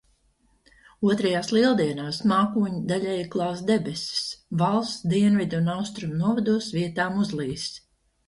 Otrajās Lieldienās mākoņi daļēji klās debesis, valsts dienvidu un austrumu novados vietām uzlīs.